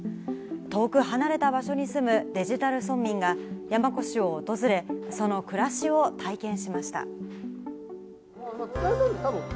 遠く離れた場所に住むデジタル村民が、山古志を訪れ、その暮らしを体験しました。